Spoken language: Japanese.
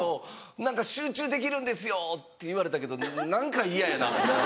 何か集中できるんですよ」って言われたけど何か嫌やなと思って。